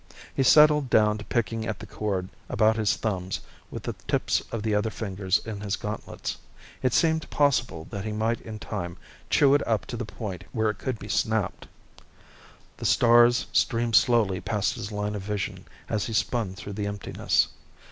He settled down to picking at the cord about his thumbs with the tips of the other fingers in his gauntlets. It seemed possible that he might in time chew it up to the point where it could be snapped. The stars streamed slowly past his line of vision as he spun through the emptiness.